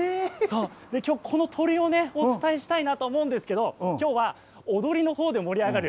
きょう、この鶏をねお伝えしたいなと思うんですけれどもきょうは踊りの方で盛り上がる